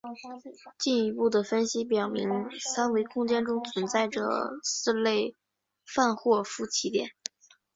进一步的分析表明三维空间中存在着四类范霍夫奇点。